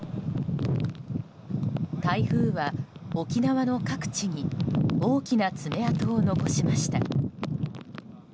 台風は沖縄の各地に大きな爪痕を残しました。